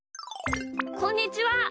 こんにちは！